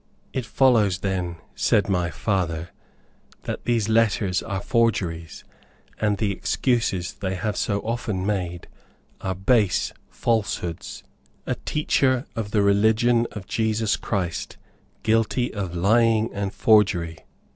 ] "It follows then," said my father, "that these letters are forgeries, and the excuses they have so often made are base falsehoods. A teacher of the religion of Jesus Christ guilty of lying and forgery!